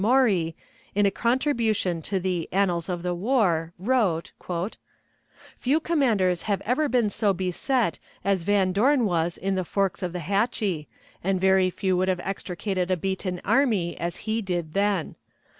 Maury, in a contribution to the "Annals of the War," wrote: "Few commanders have ever been so beset as Van Dorn was in the forks of the Hatchie, and very few would have extricated a beaten army as he did then.